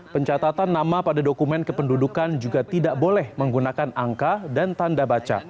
pencatatan nama pada dokumen kependudukan juga tidak boleh menggunakan angka dan tanda baca